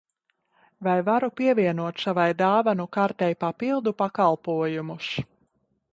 Vai varu pievienot savai dāvanu kartei papildu pakalpojumus?